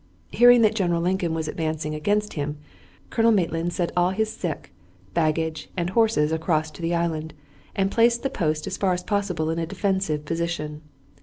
Hearing that General Lincoln was advancing against him, Colonel Maitland sent all his sick, baggage, and horses across to the island, and placed the post as far as possible in a defensive position.